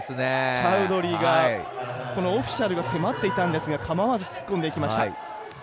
チャウドリーがオフィシャルが迫っているんですが、構わず突っ込んでいきました。